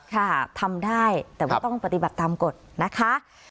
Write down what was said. ค่ะทำได้แต่ว่าต้องปฏิบัติตามกฎนะคะ